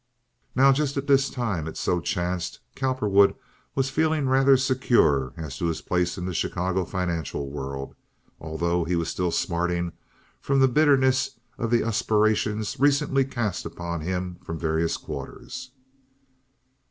Now just at this time, it so chanced, Cowperwood was feeling rather secure as to his place in the Chicago financial world, although he was still smarting from the bitterness of the aspersions recently cast upon him from various quarters.